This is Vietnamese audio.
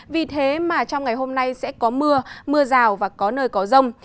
vì thế mà trong ngày hôm nay sẽ có mưa mưa rào và có nơi có rông